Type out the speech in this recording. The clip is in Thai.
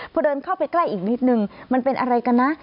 พอเดินเข้าไปใกล้อีกนิดนึงมันเป็นอะไรกันนะ